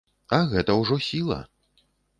А гэта ўжо сіла.